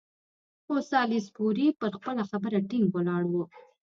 خو سالیزبوري پر خپله خبره ټینګ ولاړ وو.